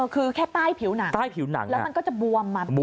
คือแค่ใต้ผิวหนังแล้วมันก็จะบวมมาตัวอีกแบบ